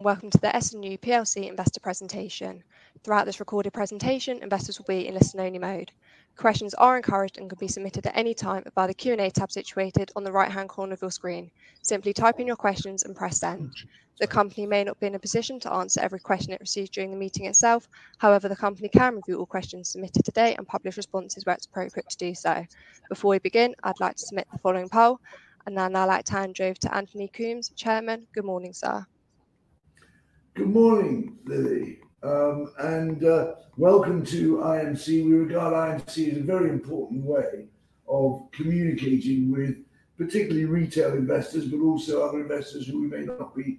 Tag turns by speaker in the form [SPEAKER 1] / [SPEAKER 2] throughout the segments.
[SPEAKER 1] Welcome to the S&U plc Investor Presentation. Throughout this recorded presentation, investors will be in listen-only mode. Questions are encouraged and can be submitted at any time via the Q&A tab situated on the right-hand corner of your screen. Simply type in your questions and press send. The company may not be in a position to answer every question it receives during the meeting itself. However, the company can review all questions submitted today and publish responses where it's appropriate to do so. Before we begin, I'd like to submit the following poll, and then I'd like to hand over to Anthony Coombs, Chairman. Good morning, sir.
[SPEAKER 2] Good morning, Lily, and welcome to IMC. We regard IMC as a very important way of communicating with particularly retail investors, but also other investors who we may not be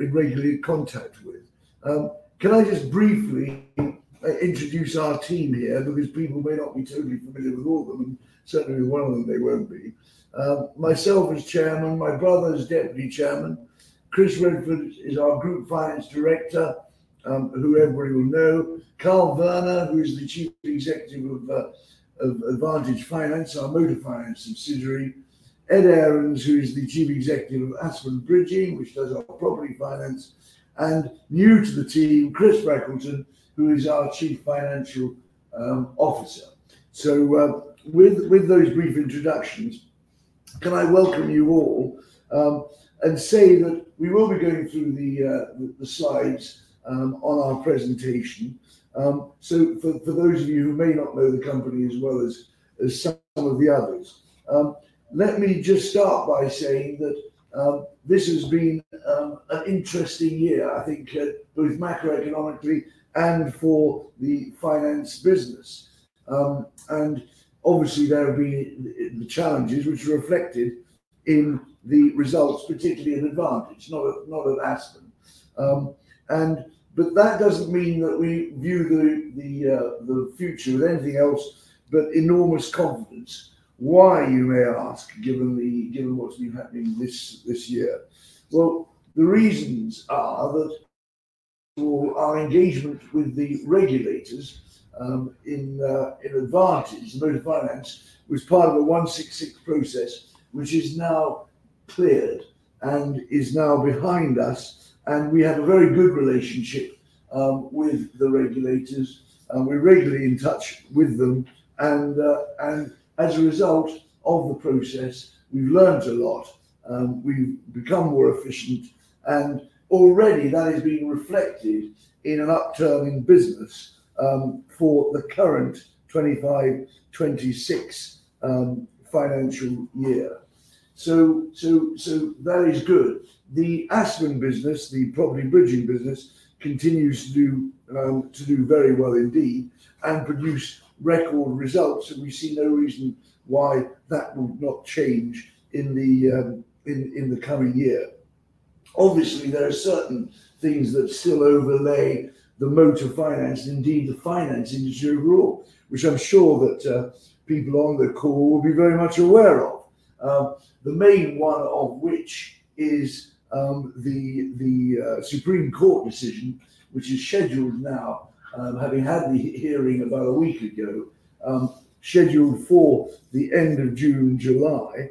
[SPEAKER 2] in regular contact with. Can I just briefly introduce our team here? Because people may not be totally familiar with all of them, and certainly with one of them they won't be. Myself as Chairman, my brother as Deputy Chairman, Chris Redford is our Group Finance Director, who everybody will know. Karl Werner, who is the Chief Executive of Advantage Finance, our motor finance subsidiary. Ed Ahrens, who is the Chief Executive of Aspen Bridging, which does our property finance. New to the team, Chris Freckelton, who is our Chief Financial Officer. With those brief introductions, can I welcome you all and say that we will be going through the slides on our presentation? For those of you who may not know the company as well as some of the others, let me just start by saying that this has been an interesting year, I think, both macroeconomically and for the finance business. Obviously, there have been the challenges which are reflected in the results, particularly in Advantage, not at Aspen. That does not mean that we view the future with anything else but enormous confidence. You may ask, given what has been happening this year, why? The reasons are that our engagement with the regulators in Advantage, the motor finance, was part of a 166 process which is now cleared and is now behind us. We have a very good relationship with the regulators. We are regularly in touch with them. As a result of the process, we have learned a lot. We've become more efficient, and already that is being reflected in an upturn in business for the current 2025-2026 financial year. That is good. The Aspen business, the property bridging business, continues to do very well indeed and produce record results. We see no reason why that would not change in the coming year. Obviously, there are certain things that still overlay the motor finance, indeed the finance industry overall, which I'm sure that people on the call will be very much aware of. The main one of which is the Supreme Court decision, which is scheduled now, having had the hearing about a week ago, scheduled for the end of June and July.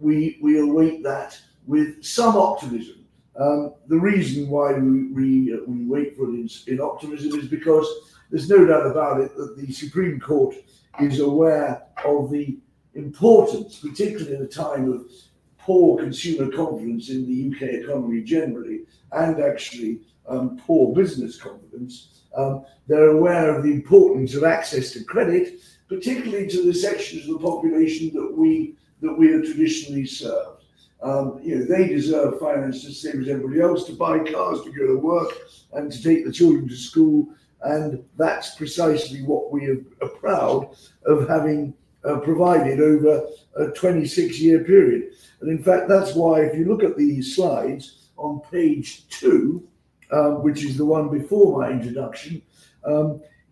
[SPEAKER 2] We await that with some optimism. The reason why we wait for it in optimism is because there's no doubt about it that the Supreme Court is aware of the importance, particularly in a time of poor consumer confidence in the U.K. economy generally, and actually poor business confidence. They're aware of the importance of access to credit, particularly to the sections of the population that we have traditionally served. They deserve finance, just the same as everybody else, to buy cars, to go to work, and to take the children to school. That's precisely what we are proud of having provided over a 26-year period. In fact, that's why if you look at these slides on page two, which is the one before my introduction,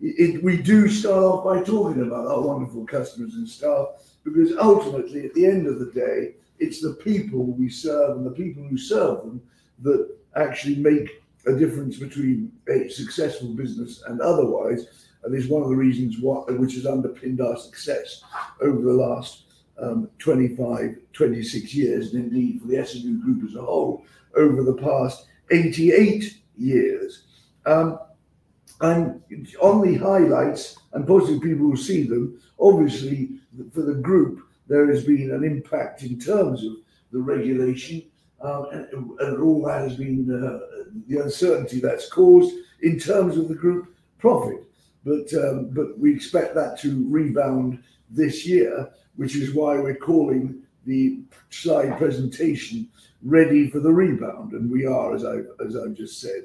[SPEAKER 2] we do start off by talking about our wonderful customers and staff, because ultimately, at the end of the day, it's the people we serve and the people who serve them that actually make a difference between a successful business and otherwise. It's one of the reasons which has underpinned our success over the last 25-26 years, and indeed for the S&U Group as a whole over the past 88 years. On the highlights, and possibly people will see them, obviously, for the group, there has been an impact in terms of the regulation, and all that has been the uncertainty that's caused in terms of the group profit. We expect that to rebound this year, which is why we're calling the slide presentation "Ready for the Rebound," and we are, as I've just said.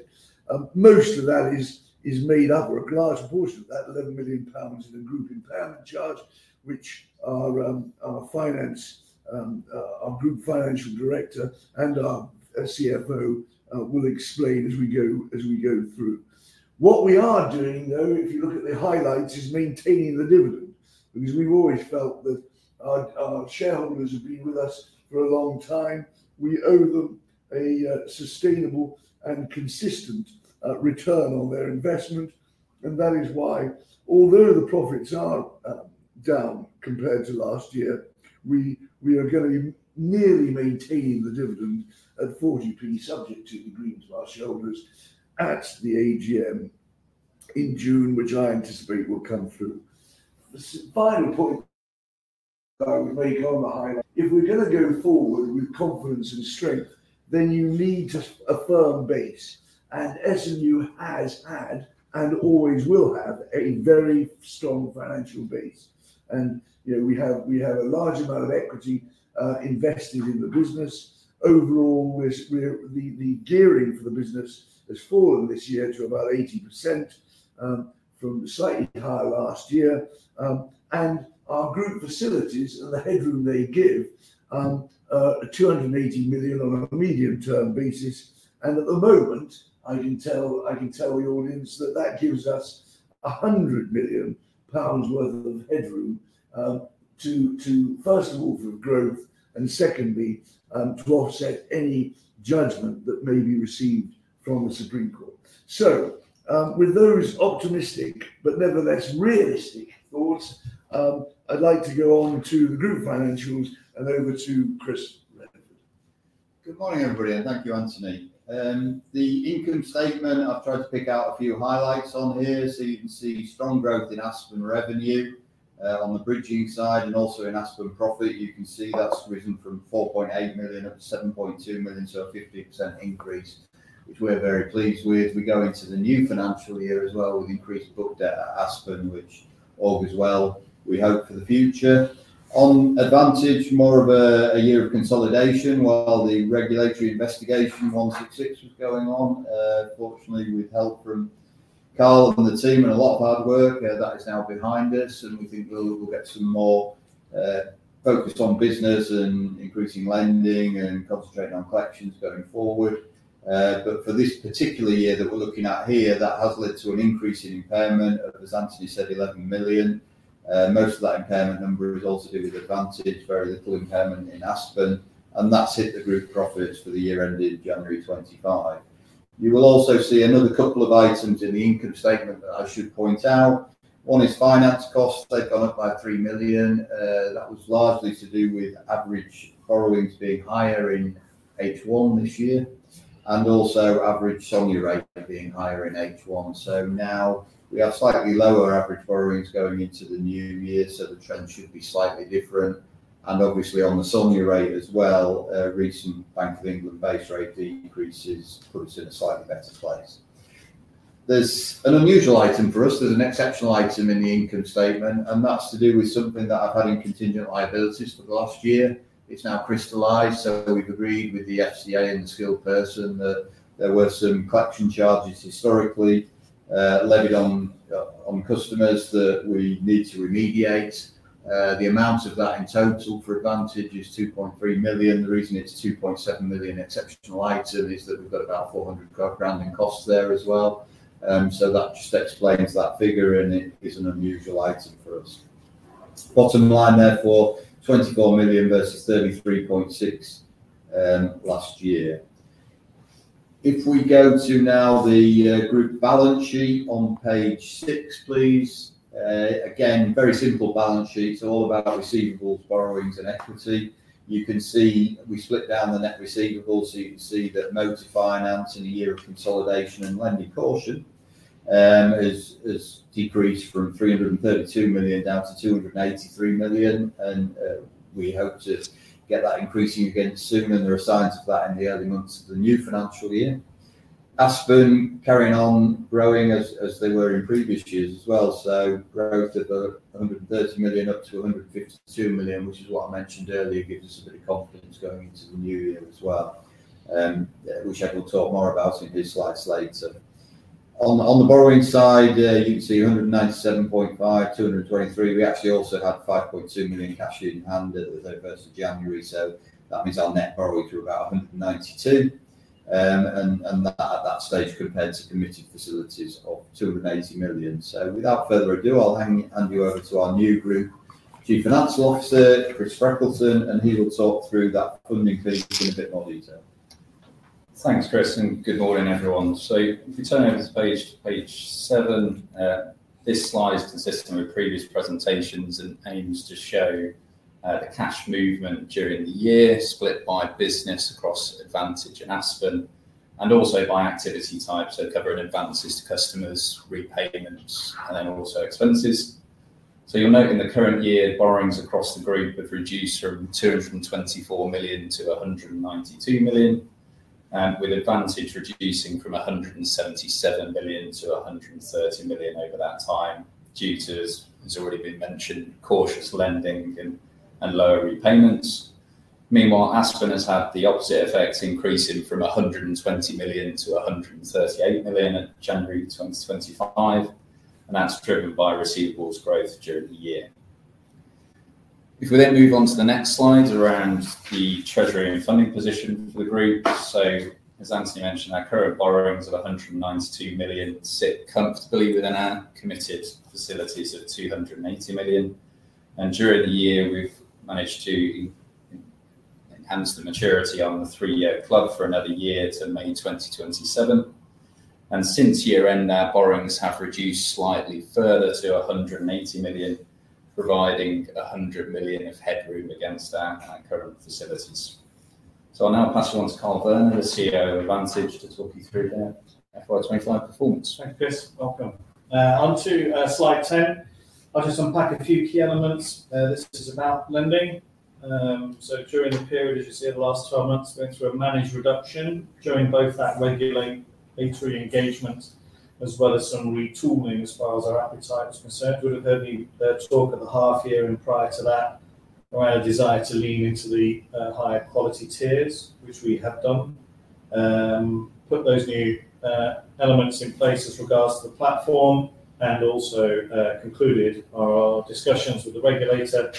[SPEAKER 2] Most of that is made up, or a large portion of that, 11 million pounds in the group impairment charge, which our Group Finance Director and our CFO will explain as we go through. What we are doing, though, if you look at the highlights, is maintaining the dividend, because we've always felt that our shareholders have been with us for a long time. We owe them a sustainable and consistent return on their investment. That is why, although the profits are down compared to last year, we are going to nearly maintain the dividend at 40p, subject to the agreement of our shareholders at the AGM in June, which I anticipate will come through. The final point I would make on the highlight, if we're going to go forward with confidence and strength, you need just a firm base. S&U has had and always will have a very strong financial base. We have a large amount of equity invested in the business. Overall, the gearing for the business has fallen this year to about 80% from slightly higher last year. Our group facilities and the headroom they give are 280 million on a medium-term basis. At the moment, I can tell the audience that gives us 100 million pounds worth of headroom, first of all, for growth, and secondly, to offset any judgment that may be received from the Supreme Court. With those optimistic but nevertheless realistic thoughts, I'd like to go on to the group financials and over to Chris Redford.
[SPEAKER 3] Good morning, everybody, and thank you, Anthony. The income statement, I've tried to pick out a few highlights on here. You can see strong growth in Aspen revenue on the bridging side, and also in Aspen profit. You can see that's risen from 4.8 million up to 7.2 million, so a 50% increase, which we're very pleased with. We go into the new financial year as well with increased book debt at Aspen, which augurs well, we hope, for the future. On Advantage, more of a year of consolidation while the regulatory investigation 166 was going on. Fortunately, with help from Karl and the team and a lot of hard work, that is now behind us. We think we'll get some more focus on business and increasing lending and concentrating on collections going forward. For this particular year that we're looking at here, that has led to an increase in impairment, as Anthony said, 11 million. Most of that impairment number is also due to Advantage, very little impairment in Aspen. That has hit the group profits for the year ending January 2025. You will also see another couple of items in the income statement that I should point out. One is finance costs have gone up by 3 million. That was largely to do with average borrowings being higher in H1 this year and also average SONIA rate being higher in H1. Now we have slightly lower average borrowings going into the new year, so the trend should be slightly different. Obviously, on the SONIA rate as well, recent Bank of England base rate decreases put us in a slightly better place. There's an unusual item for us. There's an exceptional item in the income statement, and that's to do with something that I've had in contingent liabilities for the last year. It's now crystallized. We have agreed with the FCA and the skilled person that there were some collection charges historically levied on customers that we need to remediate. The amount of that in total for Advantage is 2.3 million. The reason it's a 2.7 million exceptional item is that we've got about 400,000 in costs there as well. That just explains that figure, and it is an unusual item for us. Bottom line, therefore, 24 million versus 33.6 million last year. If we go to now the group balance sheet on page six, please. Again, very simple balance sheet. It's all about receivables, borrowings, and equity. You can see we split down the net receivables, so you can see that motor finance in a year of consolidation and lending caution has decreased from 332 million down to 283 million. We hope to get that increasing again soon, and there are signs of that in the early months of the new financial year. Aspen carrying on growing as they were in previous years as well. Growth of 130 million up to 152 million, which is what I mentioned earlier, gives us a bit of confidence going into the new year as well, which I will talk more about in this slide later. On the borrowing side, you can see 197.5 million, 223 million. We actually also had 5.2 million cash in hand at the very first of January. That means our net borrowing through about 192 million, and that at that stage compared to committed facilities of 280 million. Without further ado, I'll hand you over to our new Group Chief Financial Officer, Chris Freckelton, and he will talk through that funding piece in a bit more detail.
[SPEAKER 4] Thanks, Chris, and good morning, everyone. If we turn over to page seven, this slide is consistent with previous presentations and aims to show the cash movement during the year split by business across Advantage and Aspen, and also by activity type. Covering advances to customers, repayments, and then also expenses. You'll note in the current year, borrowings across the group have reduced from 224 million to 192 million, with Advantage reducing from 177 million to 130 million over that time, due to, as has already been mentioned, cautious lending and lower repayments. Meanwhile, Aspen has had the opposite effect, increasing from 120 million to 138 million at January 2025, and that's driven by receivables growth during the year. If we then move on to the next slide around the treasury and funding positions for the group. As Anthony mentioned, our current borrowings of 192 million sit comfortably within our committed facilities of 280 million. During the year, we have managed to enhance the maturity on the three-year club for another year to May 2027. Since year-end, our borrowings have reduced slightly further to 180 million, providing 100 million of headroom against our current facilities. I will now pass on to Karl Werner, the CEO of Advantage, to talk you through their FY25 performance.
[SPEAKER 5] Thanks, Chris. Welcome. Onto slide 10, I'll just unpack a few key elements. This is about lending. During the period, as you see in the last 12 months, we went through a managed reduction during both that regulatory engagement as well as some retooling as far as our appetite is concerned. You would have heard me talk at the half year and prior to that around a desire to lean into the higher quality tiers, which we have done. Put those new elements in place as regards to the platform and also concluded our discussions with the regulator.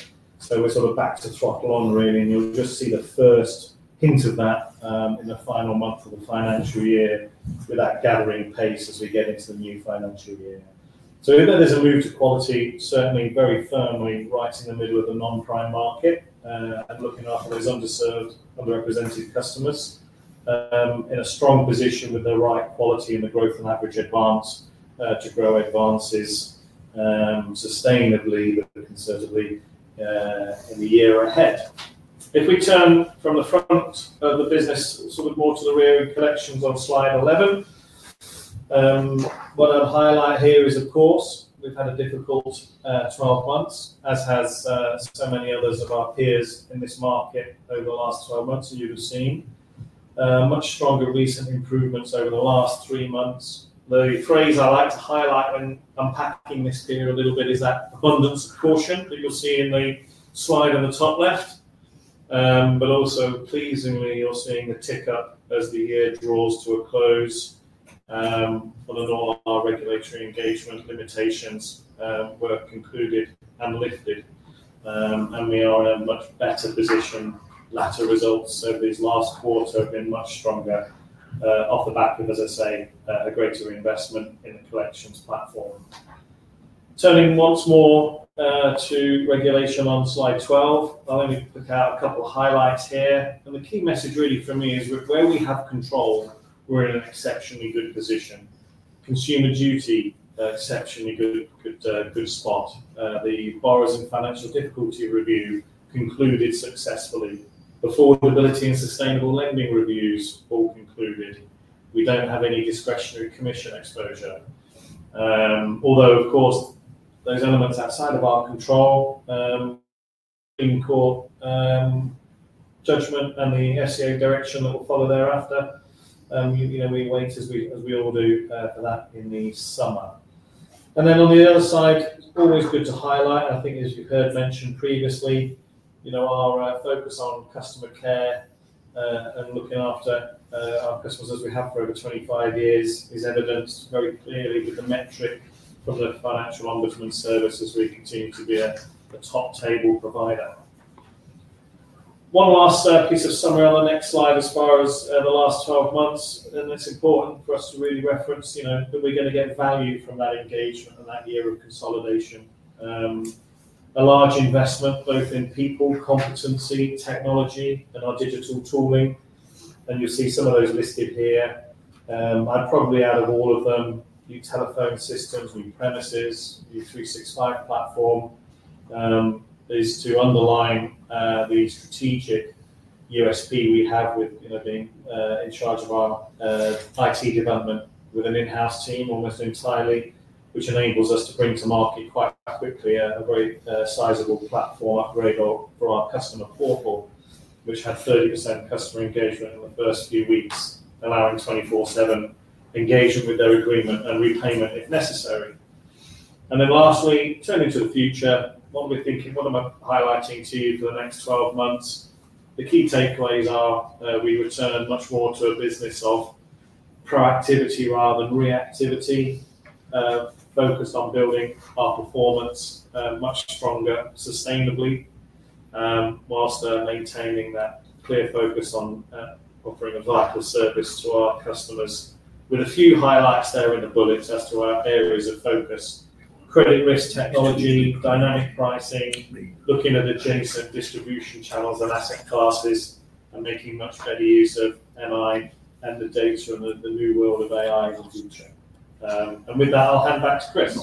[SPEAKER 5] We're sort of back to throttle on, really. You'll just see the first hint of that in the final month of the financial year with that gathering pace as we get into the new financial year. There is a move to quality, certainly very firmly right in the middle of the non-prime market and looking after those underserved, underrepresented customers in a strong position with the right quality and the growth and average advance to grow advances sustainably but conservatively in the year ahead. If we turn from the front of the business sort of more to the rear in collections on slide 11, what I would highlight here is, of course, we have had a difficult 12 months, as have so many others of our peers in this market over the last 12 months, and you have seen much stronger recent improvements over the last three months. The phrase I like to highlight when unpacking this gear a little bit is that abundance of caution that you will see in the slide on the top left. Also, pleasingly, you're seeing the tick up as the year draws to a close on all our regulatory engagement limitations were concluded and lifted, and we are in a much better position. Latter results, so these last quarter have been much stronger off the back of, as I say, a greater investment in the collections platform. Turning once more to regulation on slide 12, I'll only pick out a couple of highlights here. The key message really for me is where we have control, we're in an exceptionally good position. Consumer Duty, exceptionally good spot. The borrowers and financial difficulty review concluded successfully. Affordability and sustainable lending reviews all concluded. We don't have any discretionary commission exposure. Although, of course, those elements outside of our control, Supreme Court Judgment and the FCA direction that will follow thereafter, we wait, as we all do, for that in the summer. On the other side, it's always good to highlight, I think, as you've heard mentioned previously, our focus on customer care and looking after our customers as we have for over 25 years is evidenced very clearly with the metric from the Financial Ombudsman Service as we continue to be a top table provider. One last piece of summary on the next slide as far as the last 12 months, and it's important for us to really reference that we're going to get value from that engagement and that year of consolidation. A large investment both in people, competency, technology, and our digital tooling. You'll see some of those listed here. I'd probably, out of all of them, new telephone systems, new premises, new 365 platform, these two underline the strategic USP we have with being in charge of our IT development with an in-house team almost entirely, which enables us to bring to market quite quickly a very sizable platform upgrade for our customer portal, which had 30% customer engagement in the first few weeks, allowing 24/7 engagement with their agreement and repayment if necessary. Lastly, turning to the future, what we're thinking, what am I highlighting to you for the next 12 months? The key takeaways are we return much more to a business of proactivity rather than reactivity, focused on building our performance much stronger sustainably whilst maintaining that clear focus on offering a vital service to our customers. With a few highlights there in the bullets as to our areas of focus: credit risk technology, dynamic pricing, looking at adjacent distribution channels and asset classes, and making much better use of MI and the data and the new world of AI in the future. With that, I'll hand back to Chris.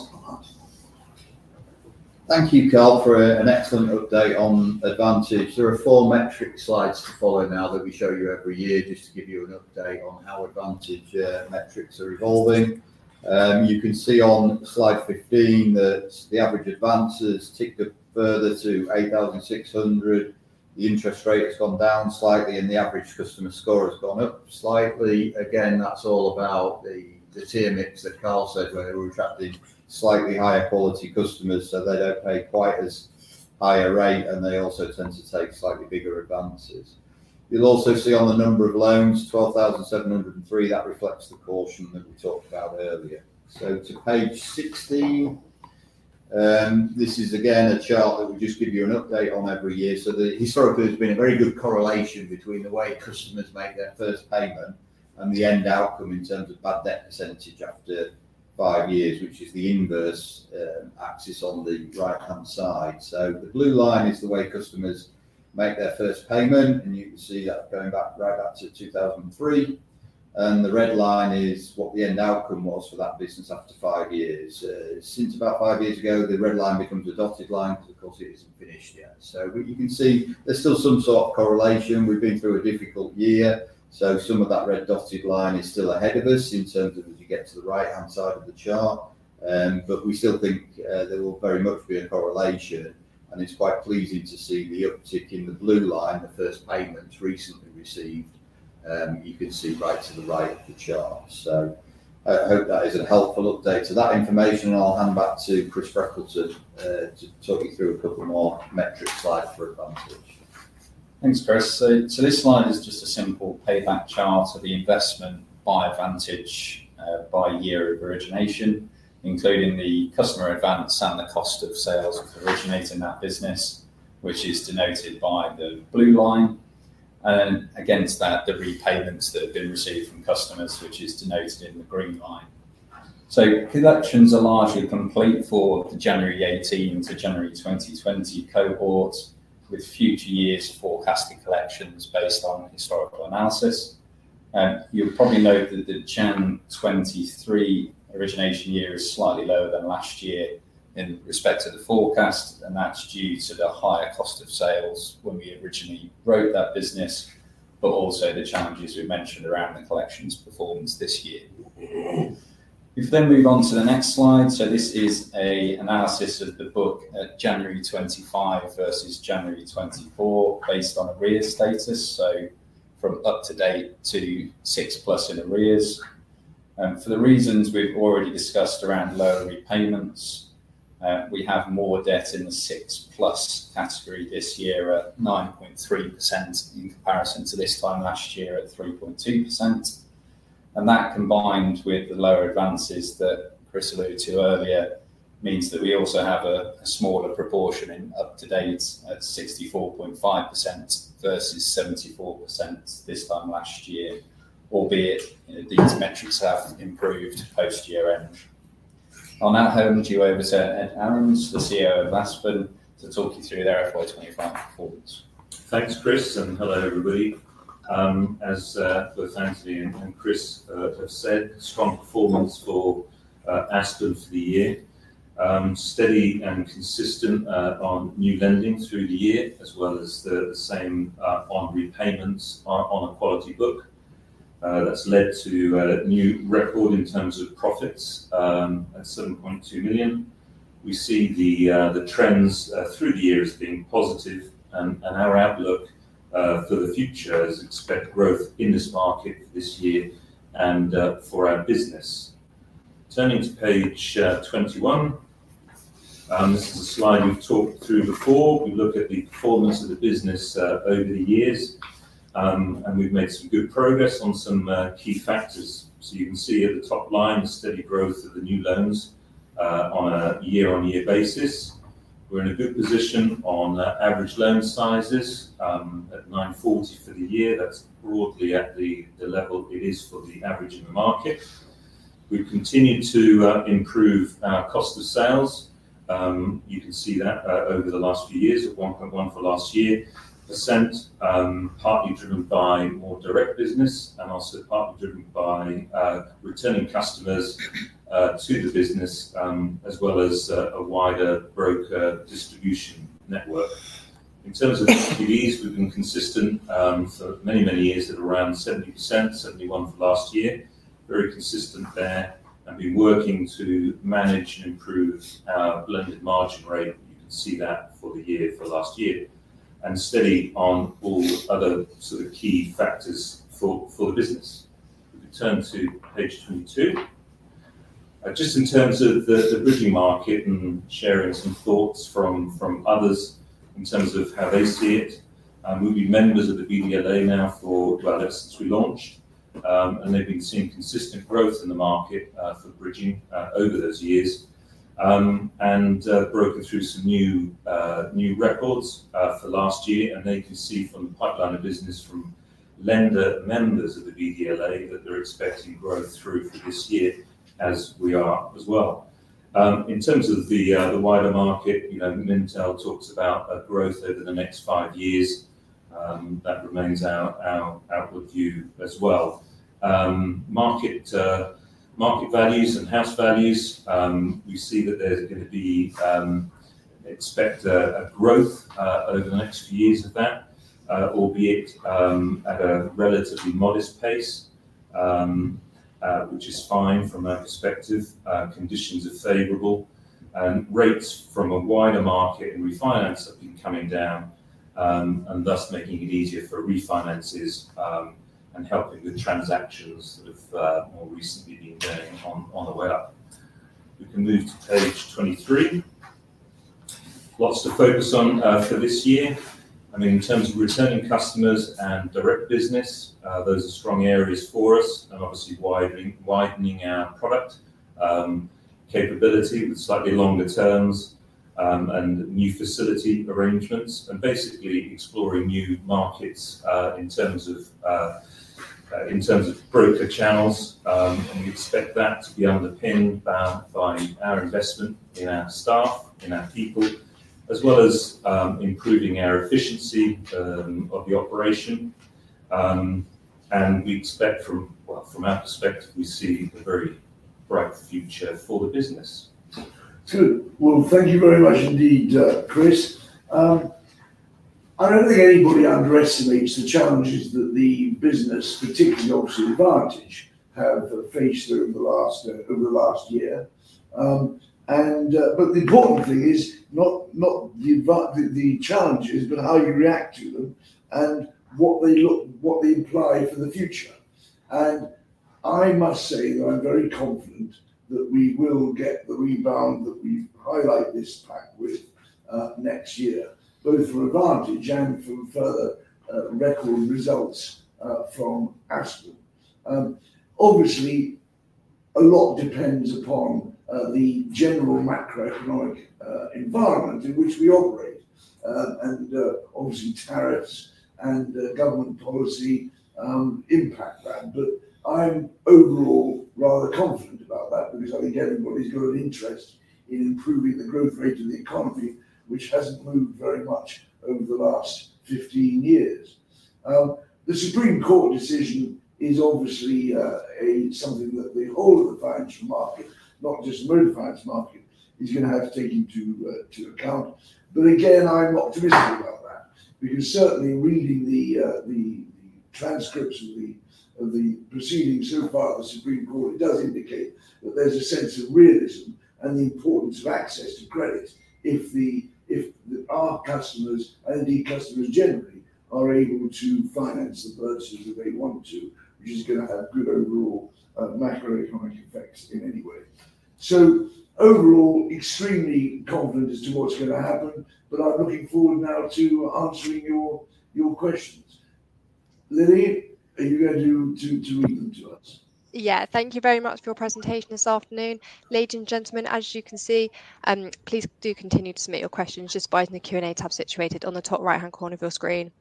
[SPEAKER 3] Thank you, Karl, for an excellent update on Advantage. There are four metric slides to follow now that we show you every year just to give you an update on how Advantage metrics are evolving. You can see on slide 15 that the average advances ticked up further to 8,600. The interest rate has gone down slightly, and the average customer score has gone up slightly. Again, that's all about the tier mix that Karl said where we're attracting slightly higher quality customers, so they don't pay quite as high a rate, and they also tend to take slightly bigger advances. You'll also see on the number of loans, 12,703, that reflects the caution that we talked about earlier. To page 16, this is again a chart that will just give you an update on every year. There has been a very good correlation between the way customers make their first payment and the end outcome in terms of bad debt % after five years, which is the inverse axis on the right-hand side. The blue line is the way customers make their first payment, and you can see that going right back to 2003. The red line is what the end outcome was for that business after five years. Since about five years ago, the red line becomes a dotted line because, of course, it is not finished yet. You can see there is still some sort of correlation. We have been through a difficult year, so some of that red dotted line is still ahead of us as you get to the right-hand side of the chart. We still think there will very much be a correlation, and it's quite pleasing to see the uptick in the blue line, the first payments recently received, you can see right to the right of the chart. I hope that is a helpful update to that information, and I'll hand back to Chris Freckelton to talk you through a couple more metric slides for Advantage.
[SPEAKER 4] Thanks, Chris. This slide is just a simple payback chart of the investment by Advantage by year of origination, including the customer advance and the cost of sales originating that business, which is denoted by the blue line. Against that, the repayments that have been received from customers, which is denoted in the green line. Collections are largely complete for the January 2018 to January 2020 cohort with future years forecasted collections based on historical analysis. You'll probably note that the January 2023 origination year is slightly lower than last year in respect to the forecast, and that's due to the higher cost of sales when we originally wrote that business, but also the challenges we mentioned around the collections performance this year. If we then move on to the next slide, this is an analysis of the book at January 2025 versus January 2024 based on arrears status, from up to date to six plus in arrears. For the reasons we have already discussed around lower repayments, we have more debt in the six plus category this year at 9.3% in comparison to this time last year at 3.2%. That combined with the lower advances that Chris alluded to earlier means that we also have a smaller proportion in up to date at 64.5% versus 74% this time last year, albeit these metrics have improved post year-end. I will now hand you over to Ed Ahrens, the CEO of Aspen, to talk you through their FY2025 performance.
[SPEAKER 6] Thanks, Chris, and hello, everybody. As both Anthony and Chris have said, strong performance for Aspen for the year, steady and consistent on new lending through the year, as well as the same on repayments on a quality book. That has led to a new record in terms of profits at 7.2 million. We see the trends through the year as being positive, and our outlook for the future is expect growth in this market this year and for our business. Turning to page 21, this is a slide we have talked through before. We look at the performance of the business over the years, and we have made some good progress on some key factors. You can see at the top line, the steady growth of the new loans on a year-on-year basis. We are in a good position on average loan sizes at 940 for the year. That's broadly at the level it is for the average in the market. We've continued to improve our cost of sales. You can see that over the last few years at 1.1% for last year, partly driven by more direct business and also partly driven by returning customers to the business, as well as a wider broker distribution network. In terms of LTVs, we've been consistent for many, many years at around 70%, 71% for last year, very consistent there, and been working to manage and improve our blended margin rate. You can see that for the year for last year and steady on all other sort of key factors for the business. We can turn to page 22. Just in terms of the bridging market and sharing some thoughts from others in terms of how they see it, we've been members of the BDLA now for, well, ever since we launched, and they've been seeing consistent growth in the market for bridging over those years and broken through some new records for last year. They can see from the pipeline of business from lender members of the BDLA that they're expecting growth through for this year as we are as well. In terms of the wider market, Mintel talks about growth over the next five years. That remains our outlook view as well. Market values and house values, we see that there's going to be expect a growth over the next few years of that, albeit at a relatively modest pace, which is fine from our perspective. Conditions are favorable, and rates from a wider market and refinance have been coming down and thus making it easier for refinances and helping with transactions that have more recently been going on the way up. We can move to page 23. Lots to focus on for this year. I mean, in terms of returning customers and direct business, those are strong areas for us and obviously widening our product capability with slightly longer terms and new facility arrangements and basically exploring new markets in terms of broker channels. We expect that to be underpinned by our investment in our staff, in our people, as well as improving our efficiency of the operation. We expect from our perspective, we see a very bright future for the business.
[SPEAKER 2] Thank you very much indeed, Chris. I do not think anybody underestimates the challenges that the business, particularly obviously Advantage, have faced over the last year. The important thing is not the challenges, but how you react to them and what they imply for the future. I must say that I am very confident that we will get the rebound that we highlight this pack with next year, both for Advantage and for further record results from Aspen. Obviously, a lot depends upon the general macroeconomic environment in which we operate, and obviously tariffs and government policy impact that. I am overall rather confident about that because I think everybody's got an interest in improving the growth rate of the economy, which has not moved very much over the last 15 years. The Supreme Court decision is obviously something that all of the financial markets, not just the motor finance market, is going to have to take into account. Again, I'm optimistic about that because certainly reading the transcripts of the proceedings so far of the Supreme Court, it does indicate that there's a sense of realism and the importance of access to credit if our customers and indeed customers generally are able to finance the purchases that they want to, which is going to have good overall macroeconomic effects in any way. Overall, extremely confident as to what's going to happen, but I'm looking forward now to answering your questions. Lily, are you ready to read them to us?
[SPEAKER 1] Yeah, thank you very much for your presentation this afternoon. Ladies and gentlemen, as you can see, please do continue to submit your questions just by using the Q&A tab situated on the top right-hand corner of your screen.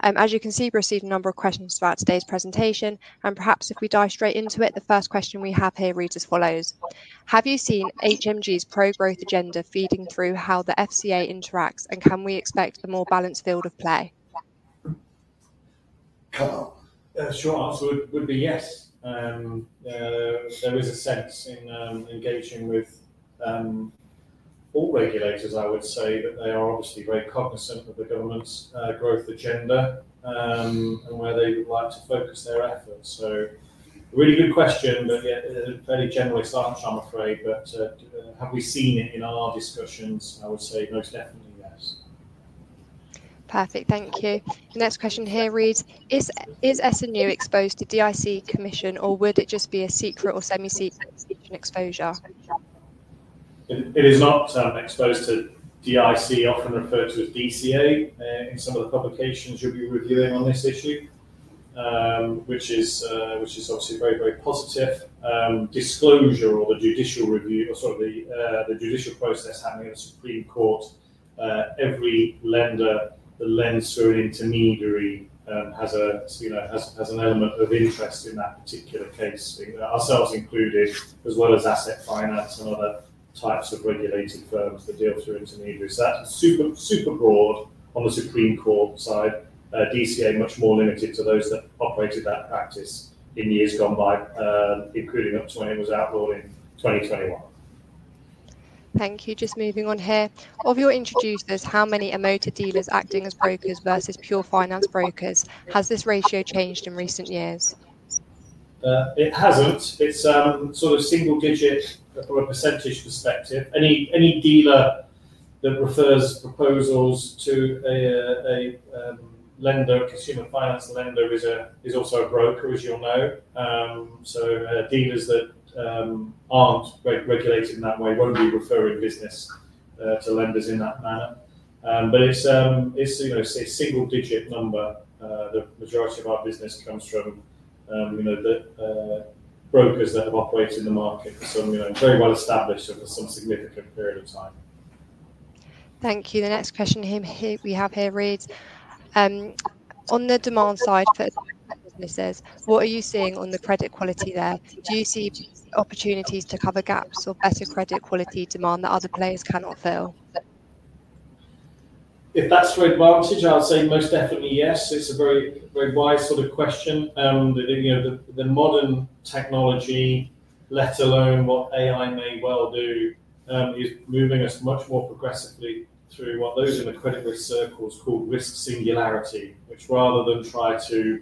[SPEAKER 1] As you can see, we've received a number of questions about today's presentation, and perhaps if we dive straight into it, the first question we have here reads as follows: Have you seen HMG's pro-growth agenda feeding through how the FCA interacts, and can we expect a more balanced field of play?
[SPEAKER 5] Short answer would be yes. There is a sense in engaging with all regulators, I would say, that they are obviously very cognizant of the government's growth agenda and where they would like to focus their efforts. Really good question, but yeah, fairly generalist answer, I'm afraid. Have we seen it in our discussions? I would say most definitely yes.
[SPEAKER 1] Perfect. Thank you. The next question here reads: Is S&U exposed to DIC Commission, or would it just be a secret or semi-secret exposure?
[SPEAKER 5] It is not exposed to DIC, often referred to as DCA in some of the publications you'll be reviewing on this issue, which is obviously very, very positive. Disclosure or the judicial review, or sort of the judicial process happening at the Supreme Court, every lender that lends through an intermediary has an element of interest in that particular case, ourselves included, as well as asset finance and other types of regulated firms that deal through intermediaries. That is super broad on the Supreme Court side. DCA is much more limited to those that operated that practice in years gone by, including up to when it was outlawed in 2021.
[SPEAKER 1] Thank you. Just moving on here. Of your introducers, how many are motor dealers acting as brokers versus pure finance brokers? Has this ratio changed in recent years?
[SPEAKER 5] It hasn't. It's sort of single digit from a percentage perspective. Any dealer that refers proposals to a lender, a consumer finance lender, is also a broker, as you'll know. So dealers that aren't regulated in that way won't be referring business to lenders in that manner. But it's a single digit number. The majority of our business comes from brokers that have operated in the market for some very well-established or for some significant period of time.
[SPEAKER 1] Thank you. The next question we have here reads: On the demand side for businesses, what are you seeing on the credit quality there? Do you see opportunities to cover gaps or better credit quality demand that other players cannot fill?
[SPEAKER 5] If that's for Advantage, I'll say most definitely yes. It's a very wide sort of question. The modern technology, let alone what AI may well do, is moving us much more progressively through what those in the credit risk circles call risk singularity, which rather than try to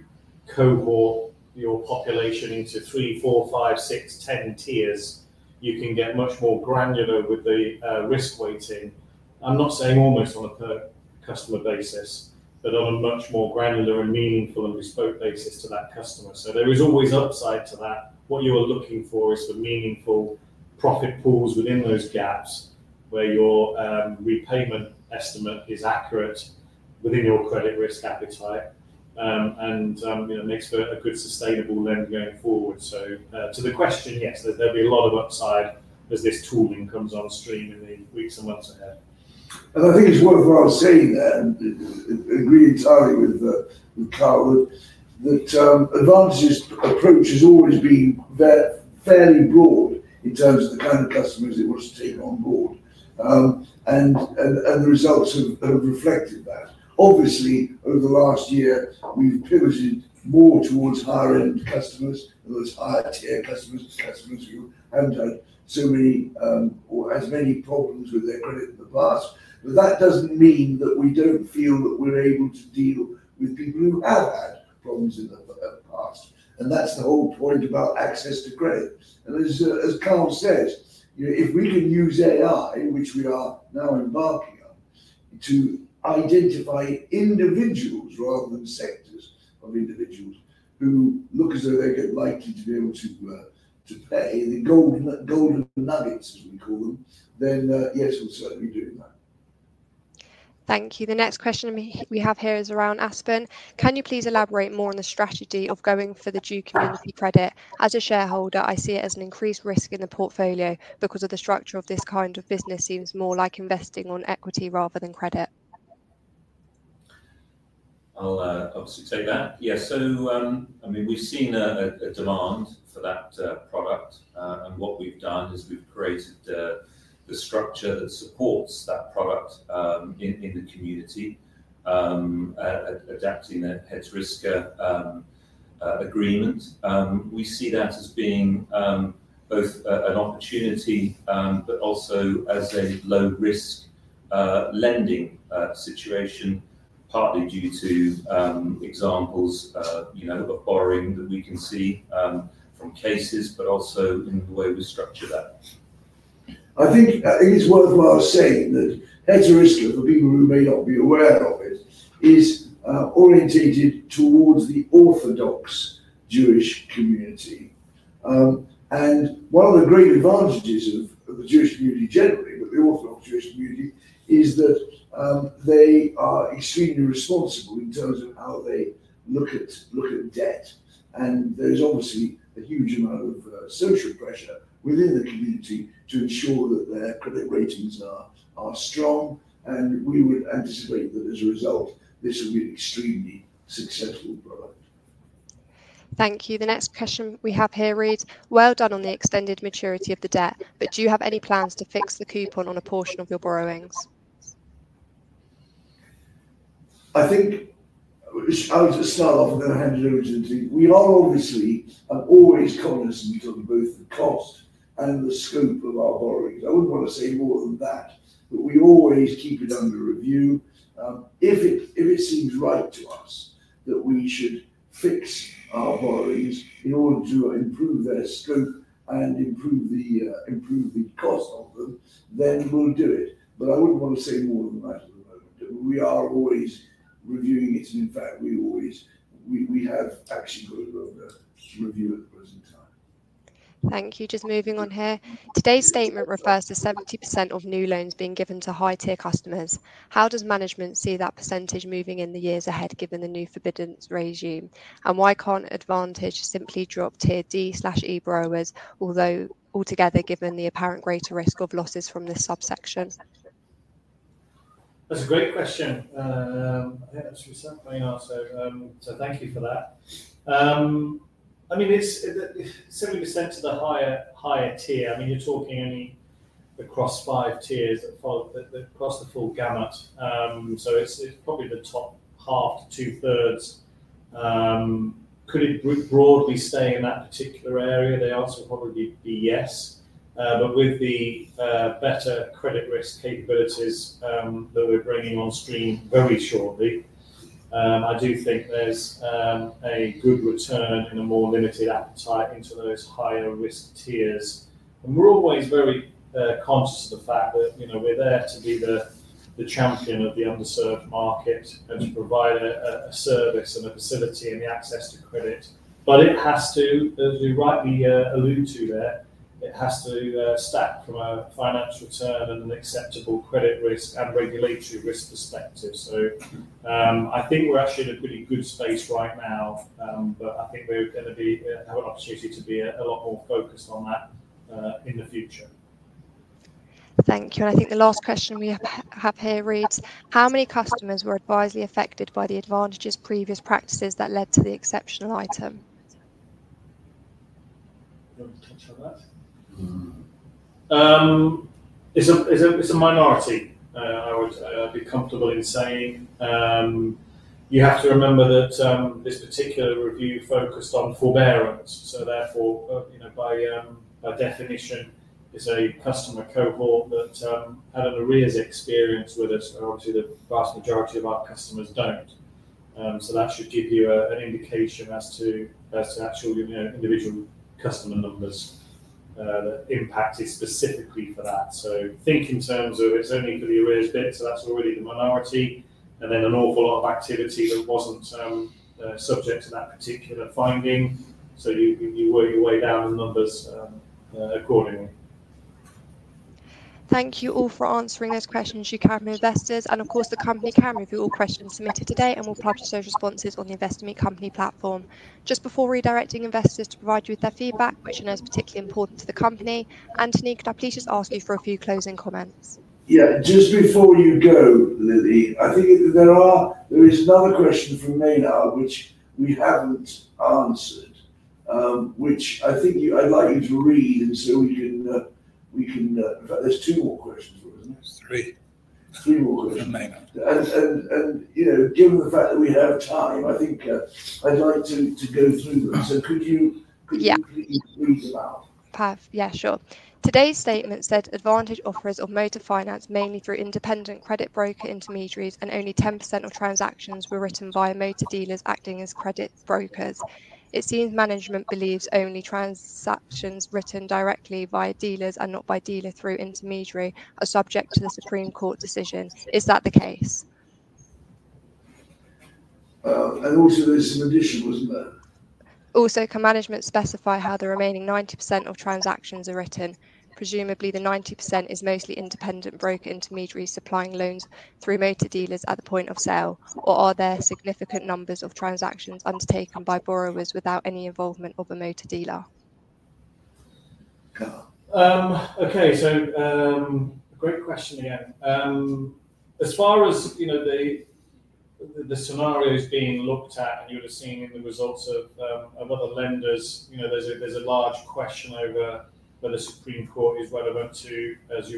[SPEAKER 5] cohort your population into three, four, five, six, ten tiers, you can get much more granular with the risk weighting. I'm not saying almost on a per customer basis, but on a much more granular and meaningful and bespoke basis to that customer. There is always upside to that. What you are looking for is for meaningful profit pools within those gaps where your repayment estimate is accurate within your credit risk appetite and makes for a good sustainable lending going forward. To the question, yes, there'll be a lot of upside as this tooling comes on stream in the weeks and months ahead.
[SPEAKER 2] I think it's worthwhile saying that, and I agree entirely with Karl, that Advantage's approach has always been fairly broad in terms of the kind of customers it wants to take on board, and the results have reflected that. Obviously, over the last year, we've pivoted more towards higher-end customers, those higher-tier customers, customers who haven't had so many or as many problems with their credit in the past. That doesn't mean that we don't feel that we're able to deal with people who have had problems in the past. That's the whole point about access to credit. As Karl said, if we can use AI, which we are now embarking on, to identify individuals rather than sectors of individuals who look as though they're likely to be able to pay the golden nuggets, as we call them, then yes, we'll certainly be doing that.
[SPEAKER 1] Thank you. The next question we have here is around Aspen. Can you please elaborate more on the strategy of going for the due community credit? As a shareholder, I see it as an increased risk in the portfolio because of the structure of this kind of business seems more like investing on equity rather than credit.
[SPEAKER 6] I'll obviously take that. Yes. I mean, we've seen a demand for that product. What we've done is we've created the structure that supports that product in the community, adapting a Heter Iska agreement. We see that as being both an opportunity, but also as a low-risk lending situation, partly due to examples of borrowing that we can see from cases, but also in the way we structure that.
[SPEAKER 2] I think it is worthwhile saying that Heter Iska, for people who may not be aware of it, is orientated towards the orthodox Jewish community. One of the great advantages of the Jewish community generally, but the orthodox Jewish community, is that they are extremely responsible in terms of how they look at debt. There is obviously a huge amount of social pressure within the community to ensure that their credit ratings are strong. We would anticipate that as a result, this would be an extremely successful product.
[SPEAKER 1] Thank you. The next question we have here reads, "Well done on the extended maturity of the debt, but do you have any plans to fix the coupon on a portion of your borrowings?
[SPEAKER 2] I think I'll just start off and then hand it over to the team. We are obviously and always cognizant of both the cost and the scope of our borrowings. I would not want to say more than that, but we always keep it under review. If it seems right to us that we should fix our borrowings in order to improve their scope and improve the cost of them, then we will do it. I would not want to say more than that at the moment. We are always reviewing it. In fact, we have hedging going on to review at the present time.
[SPEAKER 1] Thank you. Just moving on here. Today's statement refers to 70% of new loans being given to high-tier customers. How does management see that percentage moving in the years ahead given the new forbidden regime? Why can't Advantage simply drop tier D/E borrowers altogether given the apparent greater risk of losses from this subsection?
[SPEAKER 5] That's a great question. I think that's a reasonable answer. Thank you for that. I mean, it's 70% of the higher tier. I mean, you're talking only across five tiers that fall across the full gamut. It's probably the top half to two-thirds. Could it broadly stay in that particular area? The answer would probably be yes. With the better credit risk capabilities that we're bringing on stream very shortly, I do think there's a good return in a more limited appetite into those higher risk tiers. We're always very conscious of the fact that we're there to be the champion of the underserved market and to provide a service and a facility and the access to credit. It has to, as you rightly allude to there, it has to stack from a financial return and an acceptable credit risk and regulatory risk perspective. I think we're actually in a pretty good space right now, but I think we're going to have an opportunity to be a lot more focused on that in the future.
[SPEAKER 1] Thank you. I think the last question we have here reads, "How many customers were advisedly affected by Advantage's previous practices that led to the exceptional item?
[SPEAKER 5] Touch on that. It's a minority, I would be comfortable in saying. You have to remember that this particular review focused on forbearance. Therefore, by definition, it's a customer cohort that had an arrears experience with us, where obviously the vast majority of our customers do not. That should give you an indication as to actual individual customer numbers that impacted specifically for that. Think in terms of it's only for the arrears bit, so that's already the minority, and then an awful lot of activity that was not subject to that particular finding. You work your way down the numbers accordingly.
[SPEAKER 1] Thank you all for answering those questions, you careful investors. Of course, the company can review all questions submitted today and will publish those responses on the Investment Company platform. Just before redirecting investors to provide you with their feedback, which I know is particularly important to the company, Anthony, could I please just ask you for a few closing comments?
[SPEAKER 2] Yeah. Just before you go, Lily, I think there is another question from Maynard, which we haven't answered, which I think I'd like you to read and so we can. In fact, there's two more questions for us now.
[SPEAKER 5] Three.
[SPEAKER 2] Three more questions.
[SPEAKER 5] From Maynard.
[SPEAKER 2] Given the fact that we have time, I think I'd like to go through them. Could you please read them out?
[SPEAKER 1] Perfect. Yeah, sure. Today's statement said Advantage offers motor finance mainly through independent credit broker intermediaries, and only 10% of transactions were written via motor dealers acting as credit brokers. It seems management believes only transactions written directly via dealers and not by dealer through intermediary are subject to the Supreme Court decision. Is that the case?
[SPEAKER 2] There is some addition, wasn't there?
[SPEAKER 1] Also, can management specify how the remaining 90% of transactions are written? Presumably, the 90% is mostly independent broker intermediaries supplying loans through motor dealers at the point of sale. Or are there significant numbers of transactions undertaken by borrowers without any involvement of a motor dealer?
[SPEAKER 5] Okay. Great question again. As far as the scenarios being looked at, and you would have seen in the results of other lenders, there's a large question over whether the Supreme Court is relevant to, as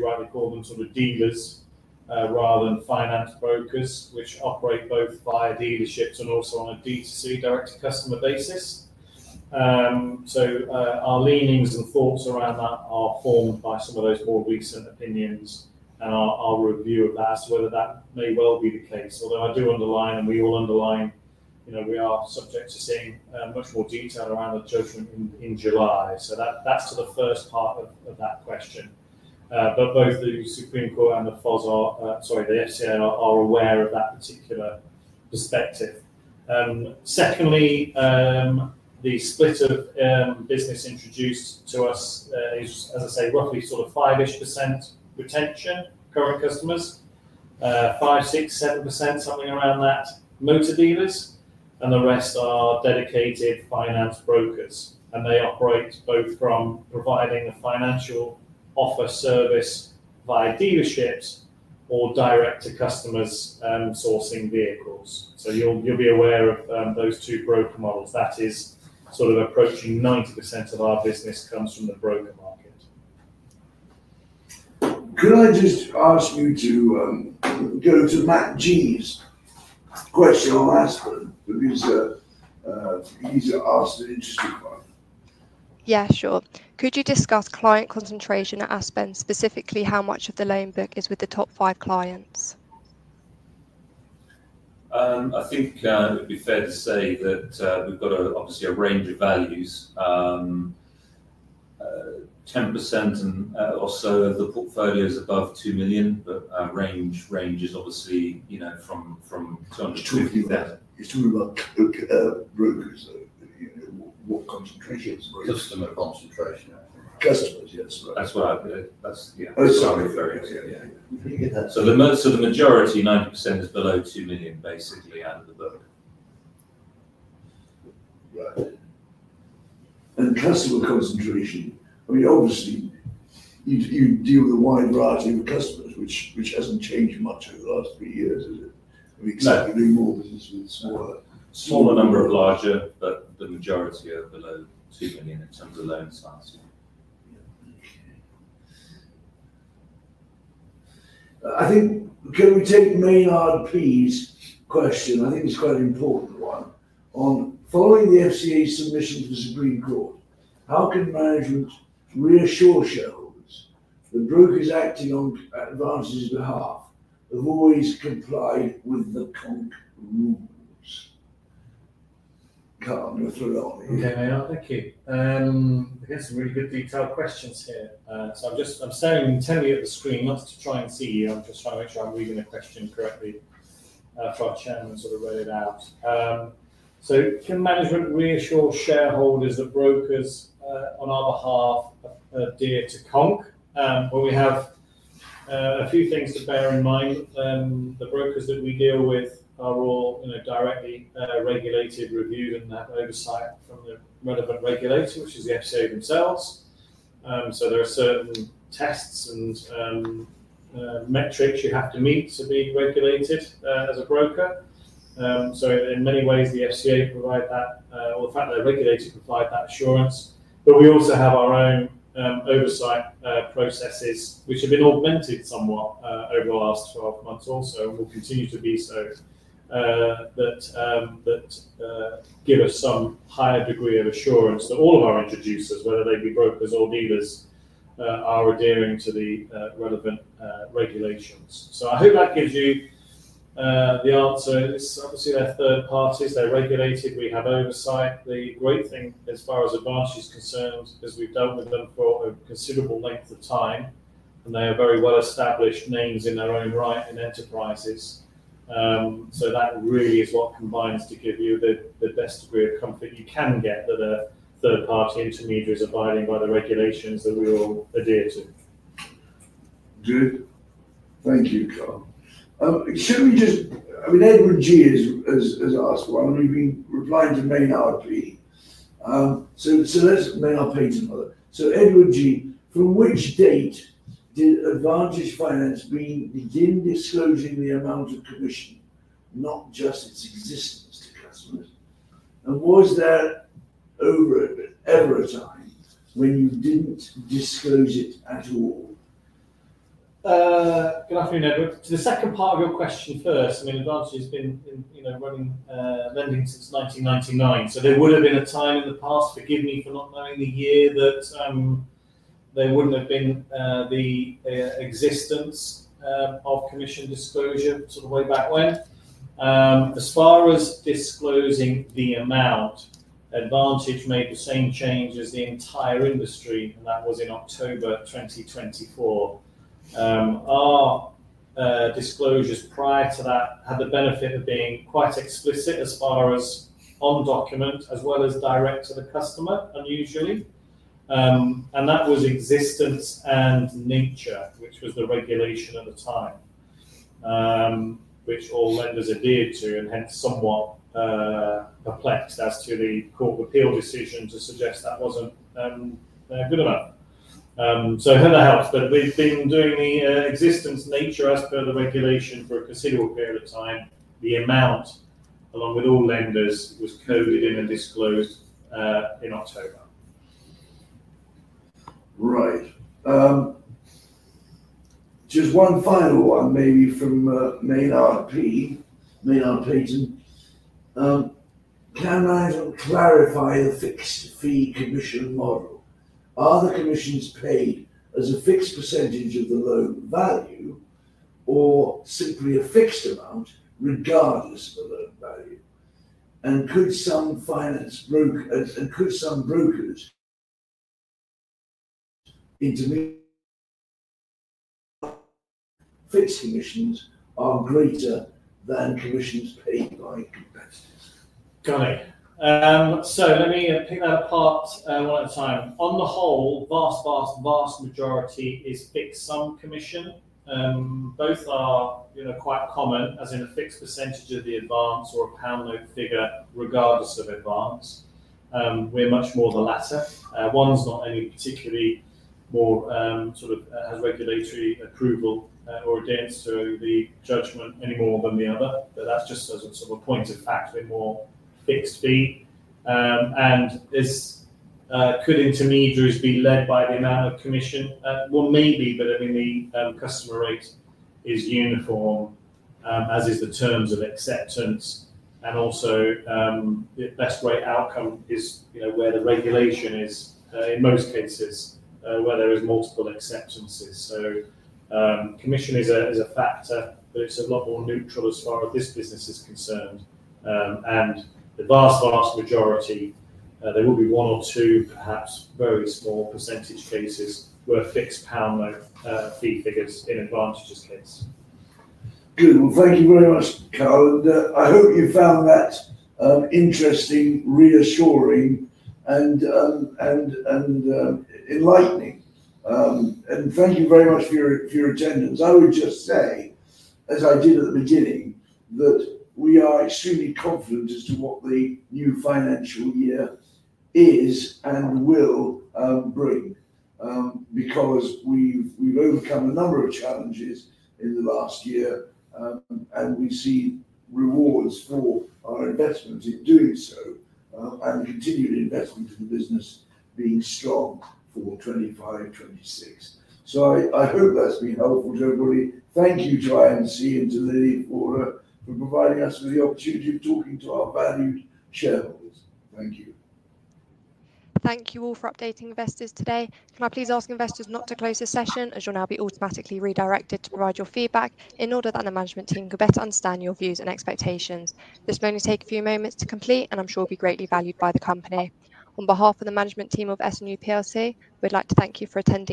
[SPEAKER 5] you rightly call them, sort of dealers rather than finance brokers, which operate both via dealerships and also on a DTC, direct-to-customer basis. Our leanings and thoughts around that are formed by some of those more recent opinions and our review of that as to whether that may well be the case. Although I do underline, and we all underline, we are subject to seeing much more detail around the judgment in July. That is to the first part of that question. Both the Supreme Court and the FCA are aware of that particular perspective. Secondly, the split of business introduced to us is, as I say, roughly sort of 5% retention, current customers, 5%-7%, something around that, motor dealers, and the rest are dedicated finance brokers. They operate both from providing a financial offer service via dealerships or direct-to-customers sourcing vehicles. You will be aware of those two broker models. That is sort of approaching 90% of our business comes from the broker market.
[SPEAKER 2] Could I just ask you to go to Matt G's question on Aspen? Because he's asked an interesting one.
[SPEAKER 1] Yeah, sure. Could you discuss client concentration at Aspen, specifically how much of the loan book is with the top five clients?
[SPEAKER 6] I think it would be fair to say that we've got obviously a range of values. 10% or so of the portfolio is above 2 million, but our range is obviously from 200,000.
[SPEAKER 2] It's talking about brokers. What concentration?
[SPEAKER 6] Customer concentration.
[SPEAKER 2] Customers, yes.
[SPEAKER 6] That's what I've heard.
[SPEAKER 2] Sorry. Yeah. The majority, 90%, is below 2 million, basically, out of the book. Right. Customer concentration, I mean, obviously, you deal with a wide variety of customers, which has not changed much over the last three years, has it? I mean, exactly the more businesses were.
[SPEAKER 6] Smaller number of larger, but the majority are below 2 million in terms of loan size.
[SPEAKER 2] Yeah. Okay. I think can we take Maynard P's question? I think it's quite an important one. Following the FCA's submission to the Supreme Court, how can management reassure shareholders that brokers acting on Advantage's behalf have always complied with the CONC rules? Karl, you're thrilled on it.
[SPEAKER 5] Okay, Maynard. Thank you. Again, some really good detailed questions here. I'm just telling you at the screen, not to try and see you. I'm just trying to make sure I'm reading the question correctly for our Chairman to sort of read it out. Can management reassure shareholders that brokers, on our behalf, adhere to CONC? We have a few things to bear in mind. The brokers that we deal with are all directly regulated, reviewed, and have oversight from the relevant regulator, which is the FCA themselves. There are certain tests and metrics you have to meet to be regulated as a broker. In many ways, the FCA provides that, or the fact that they're regulated provides that assurance. We also have our own oversight processes, which have been augmented somewhat over the last 12 months or so, and will continue to be so, that give us some higher degree of assurance that all of our introducers, whether they be brokers or dealers, are adhering to the relevant regulations. I hope that gives you the answer. It's obviously they're third parties. They're regulated. We have oversight. The great thing as far as Advantage is concerned is we've dealt with them for a considerable length of time, and they are very well-established names in their own right in enterprises. That really is what combines to give you the best degree of comfort you can get that a third-party intermediary is abiding by the regulations that we all adhere to.
[SPEAKER 2] Good. Thank you, Karl. Shall we just, I mean, Edward G has asked one, and we've been replying to Maynard P. Let's let Maynard P take another. Edward G, from which date did Advantage Finance begin disclosing the amount of commission, not just its existence, to customers? Was there ever a time when you didn't disclose it at all?
[SPEAKER 5] Good afternoon, Edward. To the second part of your question first, I mean, Advantage has been running lending since 1999. There would have been a time in the past, forgive me for not knowing the year, that there would not have been the existence of commission disclosure sort of way back when. As far as disclosing the amount, Advantage made the same change as the entire industry, and that was in October 2024. Our disclosures prior to that had the benefit of being quite explicit as far as on document, as well as direct to the customer, unusually. That was existence and nature, which was the regulation at the time, which all lenders adhered to, and hence somewhat perplexed as to the Court of Appeal decision to suggest that was not good enough. So who the hell? We have been doing the existence, nature, as per the regulation for a considerable period of time. The amount, along with all lenders, was coded in and disclosed in October.
[SPEAKER 2] Right. Just one final one, maybe, from Maynard P. Maynard Paton. Can I clarify the fixed fee commission model? Are the commissions paid as a fixed percentage of the loan value or simply a fixed amount regardless of the loan value? Could some finance brokers' intermediary fixed commissions be greater than commissions paid by competitors?
[SPEAKER 5] Got it. Let me pick that apart one at a time. On the whole, vast, vast, vast majority is fixed sum commission. Both are quite common, as in a fixed percentage of the advance or a pound note figure regardless of advance. We're much more the latter. One's not any particularly more sort of has regulatory approval or adherence to the judgment any more than the other. That's just as a sort of a point of fact, a bit more fixed fee. Could intermediaries be led by the amount of commission? Maybe, but I mean, the customer rate is uniform, as is the terms of acceptance. Also, the best way outcome is where the regulation is, in most cases, where there are multiple acceptances. Commission is a factor, but it's a lot more neutral as far as this business is concerned. The vast, vast majority, there will be one or two, perhaps very small percentage cases where fixed pound note fee figures in Advantage's case.
[SPEAKER 2] Good. Thank you very much, Karl. I hope you found that interesting, reassuring, and enlightening. Thank you very much for your attendance. I would just say, as I did at the beginning, that we are extremely confident as to what the new financial year is and will bring because we've overcome a number of challenges in the last year, and we see rewards for our investment in doing so and continued investment in the business being strong for 2025, 2026. I hope that's been helpful to everybody. Thank you to IMC and to Lily for providing us with the opportunity of talking to our valued shareholders. Thank you.
[SPEAKER 1] Thank you all for updating investors today. Can I please ask investors not to close the session as you'll now be automatically redirected to provide your feedback in order that the management team could better understand your views and expectations? This may only take a few moments to complete, and I'm sure it'll be greatly valued by the company. On behalf of the management team of S&U plc, we'd like to thank you for attending.